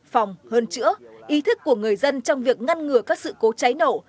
phòng hơn chữa ý thức của người dân trong việc ngăn ngừa các sự cố cháy nổ